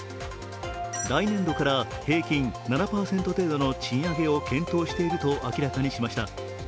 来年度から平均７％程度の賃上げを検討していると明らかにしました。